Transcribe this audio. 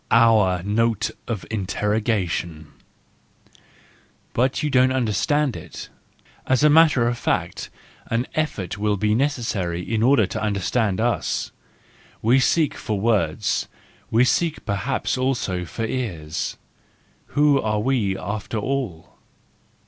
Our Note of Interrogation .—But you don't under¬ stand it? As a matter of fact, an effort will be WE FEARLESS ONES 283 necessary in order to understand us. We seek for words; we seek perhaps also for ears. Who are we after all